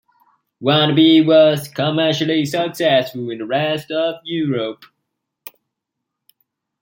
"Wannabe" was commercially successful in the rest of Europe.